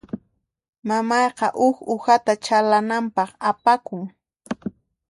Mamayqa huk uhata chhalananpaq apakun.